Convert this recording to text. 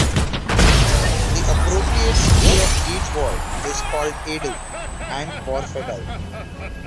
The appropriate City of Leeds Ward is called Adel and Wharefedale.